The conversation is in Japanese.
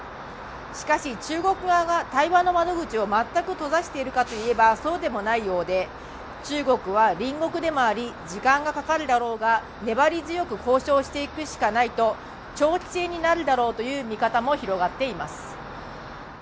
しかし、中国側が対話の窓口を全く閉ざしているかといえば、そうでもないようで、中国は隣国でもあり、時間がかかるだろうが、粘り強く交渉していくしかないと長期戦になるだろうという見方も広がっています。